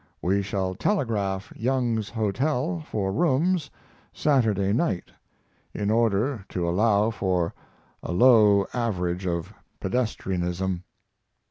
We shall telegraph Young's Hotel for rooms Saturday night, in order to allow for a low average of pedestrianism.